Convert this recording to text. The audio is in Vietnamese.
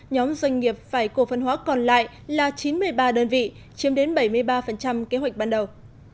nhóm doanh nghiệp phải cổ phân hóa còn lại là chín mươi ba đơn vị chiếm đến bảy mươi ba kế hoạch ban đầu